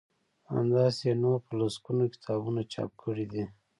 همداسی يې نور په لسګونه کتابونه چاپ کړي دي